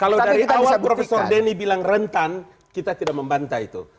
kalau dari awal profesor denny bilang rentan kita tidak membantah itu